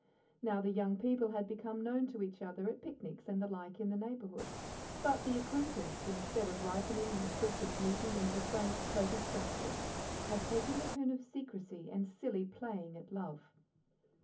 Now the young people had become known to each other at picnics and the like in the neighbourhood, but the acquaintance, instead of ripening on frequent meeting into a frank, pleasant friendship, had taken the turn of secrecy and silly playing at love.